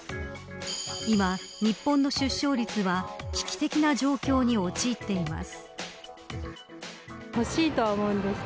今、日本の出生率は危機的な状況に陥っています。